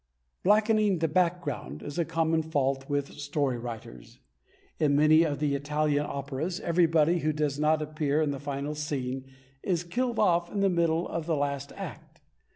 "Blackening the background" is a common fault with story writers. In many of the Italian operas, everybody who does not appear in the final scene is killed off in the middle of the last act.